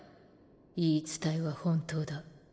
言い伝えは本当だ。